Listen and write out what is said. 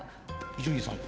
伊集院さん